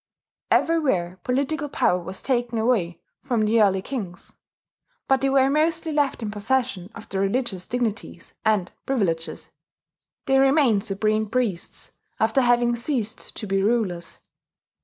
Everywhere political power was taken away from the early kings; but they were mostly left in possession of their religious dignities and privileges: they remained supreme priests after having ceased to be rulers.